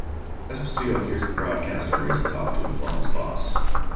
Esposito hears the broadcast and races off to inform his boss.